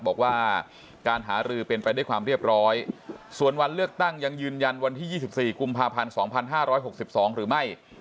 บอกว่าการหารือเป็นไปด้วยความเรียบร้อยส่วนวันเลือกตั้งยังยืนยันวันที่๒๔กุมภาพันธ์๒๕๖๒หรือไม่